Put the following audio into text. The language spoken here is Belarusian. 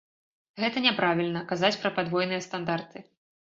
Гэта няправільна, казаць пра падвойныя стандарты.